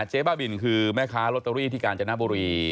บ้าบินคือแม่ค้าลอตเตอรี่ที่กาญจนบุรี